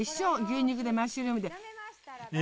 牛肉でマッシュルームで。